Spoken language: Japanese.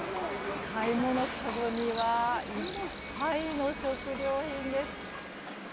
買い物かごにはいっぱいの食料品です。